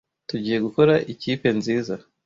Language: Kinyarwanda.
Tugiye gukora ikipe nziza.